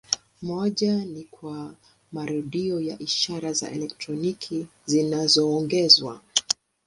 Moja ni kwa marudio ya ishara za elektroniki zinazoongezwa.